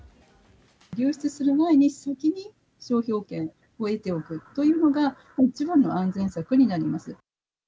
流出する前に、先に商標権を得ておくというのが、一番の安全策になります。